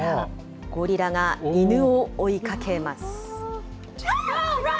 ゴリラが犬を追いかけます。